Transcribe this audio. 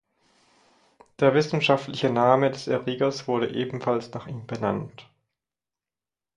Der wissenschaftliche Name des Erregers wurde ebenfalls nach ihm benannt.